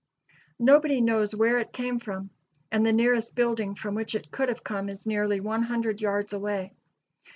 Nobody knows where it came from, and the nearest building from which it could have come is nearly one hundred yards away.